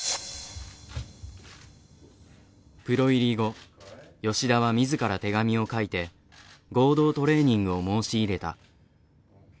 プロ入り後吉田は自ら手紙を書いて合同トレーニングを申し入れた。